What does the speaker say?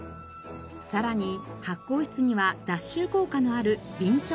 さらに発酵室には脱臭効果のある備長炭も。